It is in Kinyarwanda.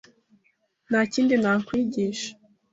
Ntakindi nakwigisha.